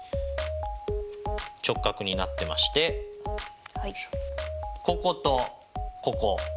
直角になってましてこことここ。